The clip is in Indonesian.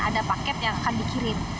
ada paket yang akan dikirim